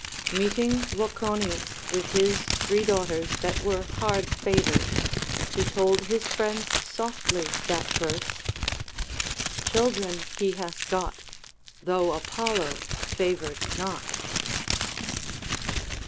Meeting Voconius with his three daughters that were hard favored, he told his friends softly that verse, — Children lie hath got, Though Apollo favored not.